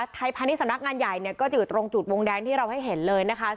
พาณิชสำนักงานใหญ่เนี่ยก็จะอยู่ตรงจุดวงแดงที่เราให้เห็นเลยนะคะ